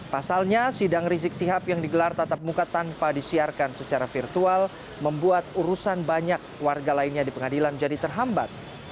pasalnya sidang rizik sihab yang digelar tatap muka tanpa disiarkan secara virtual membuat urusan banyak warga lainnya di pengadilan jadi terhambat